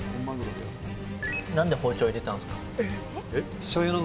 何で包丁入れたんですか？